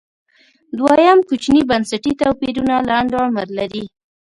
دویم کوچني بنسټي توپیرونه لنډ عمر لري